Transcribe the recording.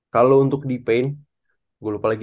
kalo untuk di paint gua lupa lagi